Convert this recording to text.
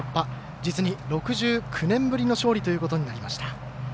実に６９年ぶりの勝利ということになりました。